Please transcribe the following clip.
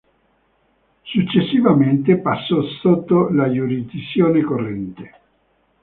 Successivamente passò sotto la giurisdizione corrente.